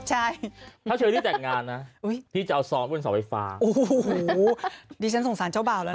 ใช่ถ้าเชอรี่แต่งงานนะพี่จะเอาซ้อมบนเสาไฟฟ้าโอ้โหดิฉันสงสารเจ้าบ่าวแล้วนะ